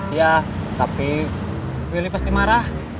iya tapi willy pasti marah